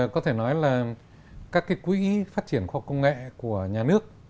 có thể nói là các cái quỹ phát triển khoa học công nghệ của nhà nước